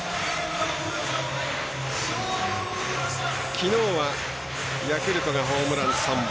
きのうはヤクルトがホームラン３本。